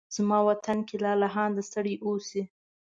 زما وطن کې لالهانده ستړي اوسې